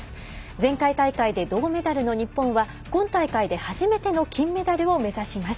前回大会で銅メダルの日本は今大会で初めての金メダルを目指します。